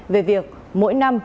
về việc mỗi năm